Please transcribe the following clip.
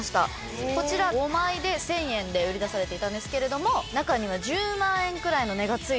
こちら５枚で１０００円で売り出されていたんですけども中には。